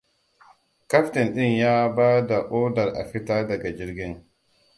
Kaftin ɗin ya bada odar a fita daga jirgin.